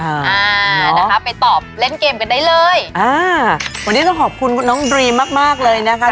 อ่านะคะไปตอบเล่นเกมกันได้เลยอ่าวันนี้ต้องขอบคุณคุณน้องดรีมมากมากเลยนะคะ